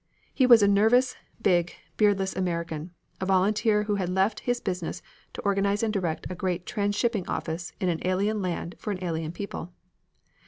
He was a nervous, big, beardless American, a volunteer who had left his business to organize and direct a great transshipping office in an alien land for an alien people.